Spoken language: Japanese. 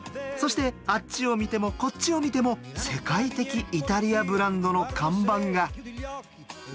そしてあっちを見てもこっちを見ても世界的イタリアブランドの看板が。